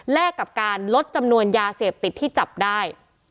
กับการลดจำนวนยาเสพติดที่จับได้